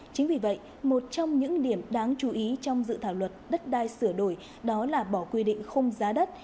chính vì vậy một trong những điểm đáng chú ý trong dự thảo luật đất đai sửa đổi đó là bỏ quy định khung giá đất